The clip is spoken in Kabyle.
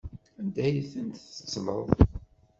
Anda ay tent-tettleḍ?